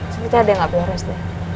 sebenernya ada yang ga beres deh